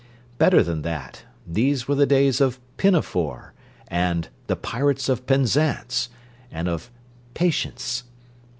Better than that, these were the days of "Pinafore" and "The Pirates of Penzance" and of "Patience."